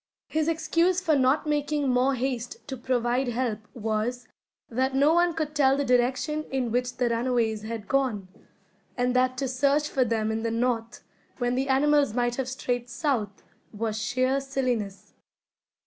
His excuse for not making more haste to provide help was, that no one could tell the direction in which the runaways had gone, and that to search for them in the north, when the animals might have strayed south, was sheer silliness.